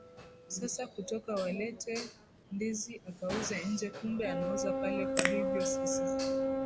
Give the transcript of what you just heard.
sasa kutoka waletee ndizi akauze nje kumbe anauza pale kwa hivyo sisi